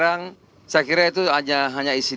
ini bagaiman yang kalian beri beri